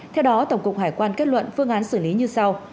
theo đó tổng cục hải quan kết luận phương án xử lý như sau